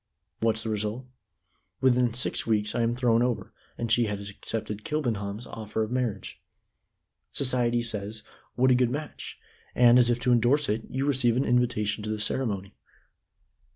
What's the result? Within six weeks I am thrown over, and she has accepted Kilbenham's offer of marriage. Society says 'What a good match!' and, as if to endorse it, you receive an invitation to the ceremony."